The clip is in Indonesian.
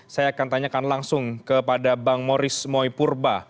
saya akan tanyakan langsung kepada bang moris moipurba